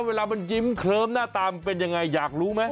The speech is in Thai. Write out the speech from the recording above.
เวลามันยิ้มเคลิ้มหน้าตามันเป็นยังไงอยากรู้ไหม